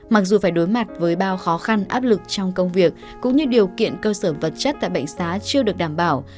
mặc dù phải đối mặt với bao khó khăn áp lực trong công việc cũng như điều kiện cơ sở vật chất tại bệnh xá chưa được đảm bảo